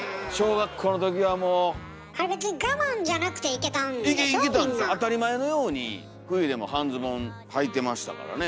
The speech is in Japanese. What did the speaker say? いけたんです当たり前のように冬でも半ズボンはいてましたからね。